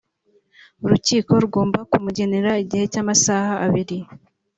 urukiko rugomba kumugenera igihe cy’amasaha abiri